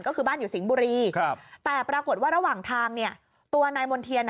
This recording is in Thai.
ก็คือบ้านอยู่สิงห์บุรีครับแต่ปรากฏว่าระหว่างทางเนี่ยตัวนายมณ์เทียน